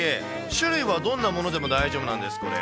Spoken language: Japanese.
種類はどんなものでも大丈夫なんです、これ。